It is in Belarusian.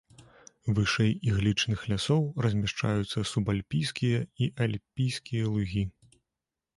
Вышэй іглічных лясоў размяшчаюцца субальпійскія і альпійскія лугі.